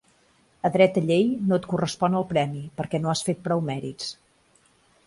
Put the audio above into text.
A dreta llei no et correspon el premi, perquè no has fet prou mèrits.